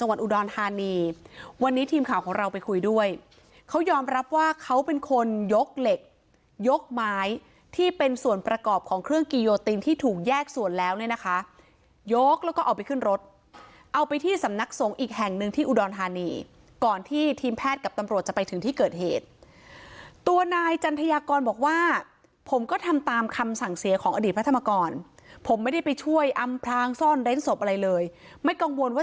วัดอุดรธานีวันนี้ทีมข่าวของเราไปคุยด้วยเขายอมรับว่าเขาเป็นคนยกเหล็กยกไม้ที่เป็นส่วนประกอบของเครื่องกิโยตินที่ถูกแยกส่วนแล้วเนี่ยนะคะยกแล้วก็เอาไปขึ้นรถเอาไปที่สำนักสงฆ์อีกแห่งหนึ่งที่อุดรธานีก่อนที่ทีมแพทย์กับตำรวจจะไปถึงที่เกิดเหตุตัวนายจันทยากรบอกว่าผมก็ทำตามคำสั่งเสียของอดีตพระธรรมกรผมไม่ได้ไปช่วยอำพลางซ่อนเร้นศพอะไรเลยไม่กังวลว่า